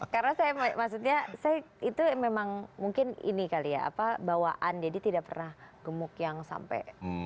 karena saya maksudnya saya itu memang mungkin ini kali ya bawaan jadi tidak pernah gemuk yang sampai